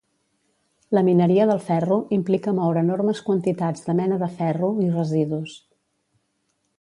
La mineria del ferro implica moure enormes quantitats de mena de ferro i residus.